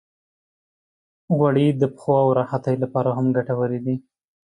غوړې د پښو د راحتۍ لپاره هم ګټورې دي.